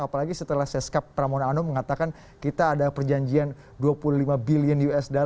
apalagi setelah sescap pramona anu mengatakan kita ada perjanjian dua puluh lima billion usd